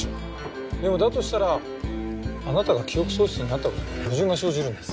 でもだとしたらあなたが記憶喪失になった事に矛盾が生じるんです。